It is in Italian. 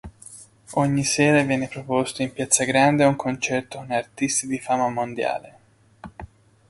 Ogni sera viene proposto in Piazza Grande un concerto con artisti di fama mondiale.